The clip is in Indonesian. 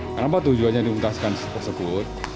kenapa tujuannya dimutaskan tersebut